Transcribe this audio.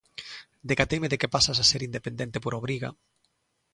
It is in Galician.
Decateime de que pasas a ser independente por obriga.